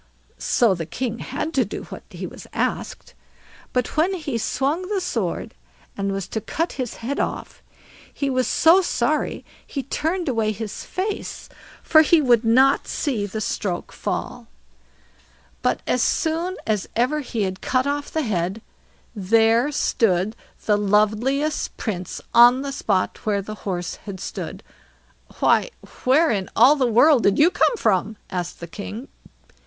So the king had to do what he asked; but when he swung the sword and was to cut his head off, he was so sorry he turned away his face, for he would not see the stroke fall. But as soon as ever he had cut off the head, there stood the loveliest Prince on the spot where the horse had stood. "Why, where in all the world did you come from?" asked the king.